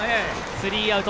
スリーアウト。